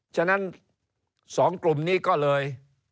ฉะนั้น๒กลุ่มนี้ก็เลย